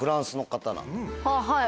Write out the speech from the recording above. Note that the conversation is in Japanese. はい。